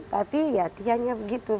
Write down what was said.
tapi ya tiannya begitu